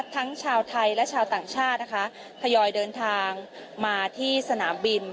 ทั้งชาวไทยและชาวต่างชาตินะคะทยอยเดินทางมาที่สนามบิน